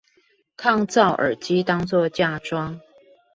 抗噪耳機當作嫁妝